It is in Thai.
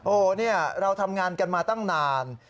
โอ้โหเนี่ยเราทำงานกันมาตั้งนาน